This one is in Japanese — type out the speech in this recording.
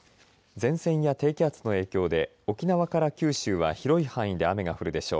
前線や低気圧の影響で沖縄から九州は広い範囲で雨が降るでしょう。